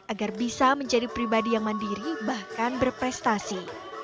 agar bisa menjadi pribadi yang mandiri bahkan berprestasi